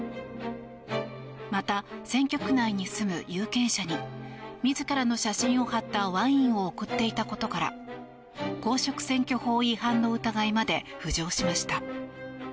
また、選挙区内に住む有権者に自らの写真を貼ったワインを贈っていたことから公職選挙法違反の疑いまで浮上しました。